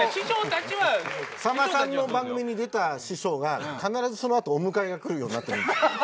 さんまさんの番組に出た師匠が必ずその後お迎えが来るようになってる。